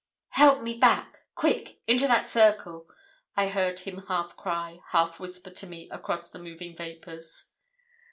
"'Help me back—quick—into that circle,' I heard him half cry, half whisper to me across the moving vapours.